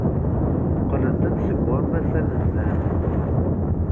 Qqlent-d seg wammas anezzan.